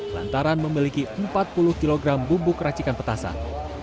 lantaran memiliki empat puluh kg bubuk racikan petasan